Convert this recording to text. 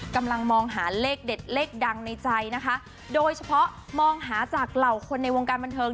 กำลังมองหาเลขเด็ดเลขดังในใจนะคะโดยเฉพาะมองหาจากเหล่าคนในวงการบันเทิง